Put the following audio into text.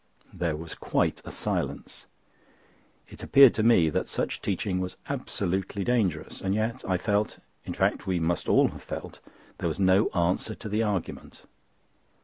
There was quite a silence. It appeared to me that such teaching was absolutely dangerous, and yet I felt—in fact we must all have felt—there was no answer to the argument.